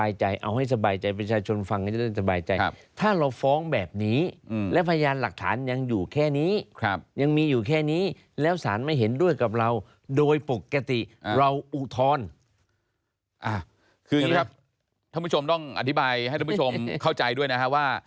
ท่านผู้ชมต้องอธิบายให้ท่านผู้ชมเข้าใจด้วยนะครับว่า